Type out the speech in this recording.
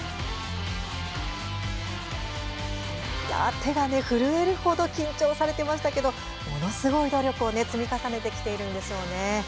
手が震える程緊張されていましたけれどものすごい努力を積み重ねてきているんでしょうね。